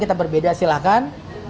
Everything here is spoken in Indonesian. kita berbeda silahkan